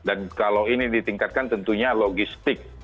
dan kalau ini ditingkatkan tentunya logistik